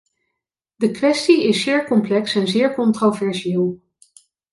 De kwestie is zeer complex en zeer controversieel.